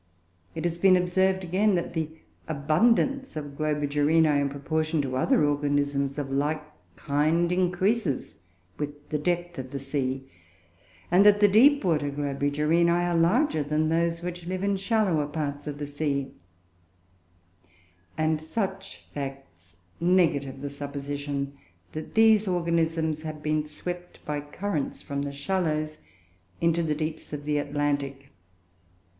It has been observed, again, that the abundance of Globigerinoe, in proportion to other organisms, of like kind, increases with the depth of the sea; and that deep water Globigerinoe are larger than those which live in shallower parts of the sea; and such facts negative the supposition that these organisms have been swept by currents from the shallows into the deeps of the Atlantic.